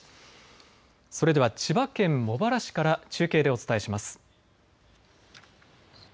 それでは千葉県茂原市から中継でお伝えします。